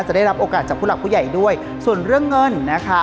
ได้รับโอกาสจากผู้หลักผู้ใหญ่ด้วยส่วนเรื่องเงินนะคะ